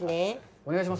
お願いします。